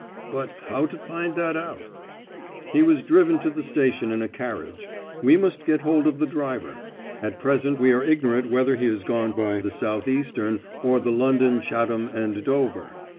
"But how to find that out?" "He was driven to the station in a carriage. We must get hold of the driver. At present we are ignorant whether he has gone by the South Eastern or the London, Chatham, and Dover.